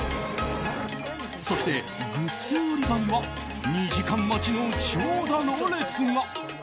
そして、グッズ売り場には２時間待ちの長蛇の列が。